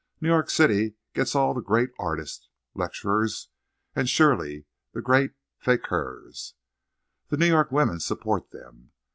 New York City gets all the great artists, lecturers, and surely the great fakirs. The New York women support them.